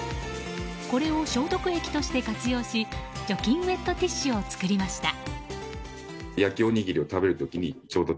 これを消毒液として活用し除菌ウェットティッシュを作りました。